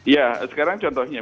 ya sekarang contohnya